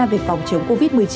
về phòng chống covid một mươi chín